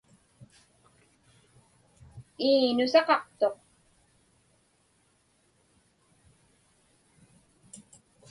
Ii, nusaqaqtuq.